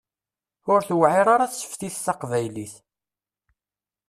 Ur tewɛir ara tseftit taqbaylit.